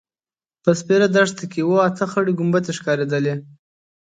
په سپېره دښته کې اوه – اته خړې کومبدې ښکارېدلې.